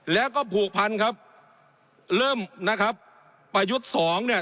แล้วก็ผูกพันครับเริ่มนะครับประยุทธ์สองเนี่ย